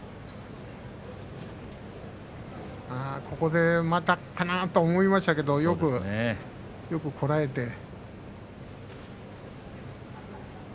ここで、またかなと思いましたけど、よくこらえて。